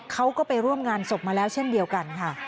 เขาก็ไปร่วมงานศพมาแล้วเช่นเดียวกันค่ะ